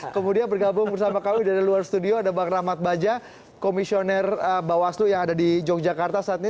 kemudian bergabung bersama kami dari luar studio ada bang rahmat baja komisioner bawaslu yang ada di yogyakarta saat ini